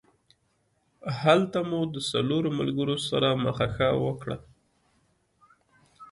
هلته مو د څلورو ملګرو سره مخه ښه وکړه.